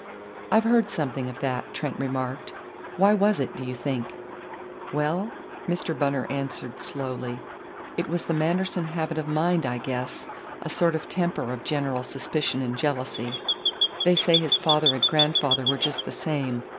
"I've heard something of that," Trent remarked. "Why was it, do you think?" "Well," Mr. Bunner answered slowly, "it was the Manderson habit of mind, I guess; a sort of temper of general suspicion and jealousy. They say his father and grandfather were just the same....